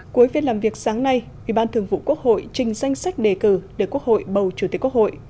cuối phiên làm việc sáng nay ủy ban thường vụ quốc hội trình danh sách đề cử để quốc hội bầu chủ tịch quốc hội